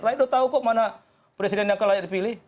rakyat udah tahu kok mana presiden yang akan layak dipilih